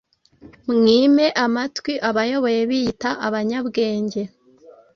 mwime amatwi abayobe biyita abanyabwenge